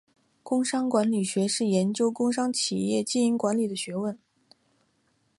工商管理学是研究工商企业经营管理的学问。